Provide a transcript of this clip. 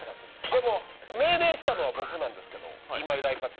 でも、命名したのは僕なんですけど、今井らいぱち。